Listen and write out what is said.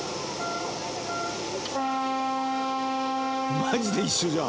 「マジで一緒じゃん」